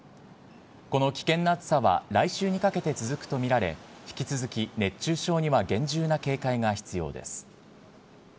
この危険な暑さは来週にかけて続くと見られ、引き続き熱中症には厳重な警戒が必要です。